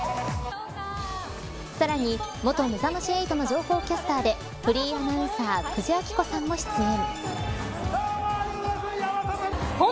さらに、元めざまし８の情報キャスターでフリーアナウンサー久慈暁子さんも出演。